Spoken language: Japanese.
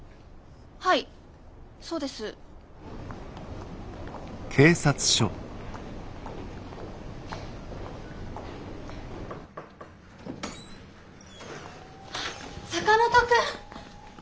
はいそうです。坂本君。